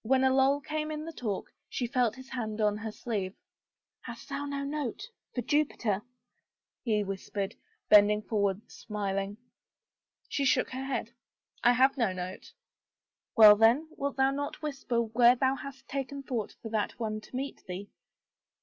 When a lull came in the talk she felt his hand on her sleeve. " Hast thou no note — for Jupiter ?" he whispered, bending forward smiling. She shook her head, " I have no note." " Well then, wilt thou not whisper where thou hast taken thought for that one to meet thee?